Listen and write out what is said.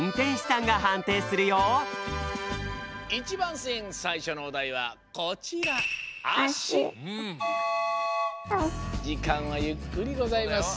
さいしょのおだいはこちらじかんはゆっくりございます。